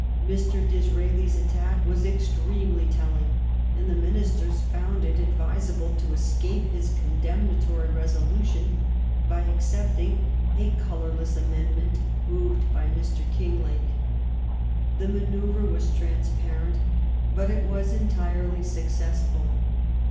Mr. Disraeli's attack was extremely telling, and ministers found it advisable to escape his condemnatory resolution by ac^ cepting a colourless amendment moved by Mr. King lake. The manoeuvre was transparent, but is was entirely successful.